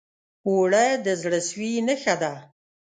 اوړه د زړه سوي نښه ده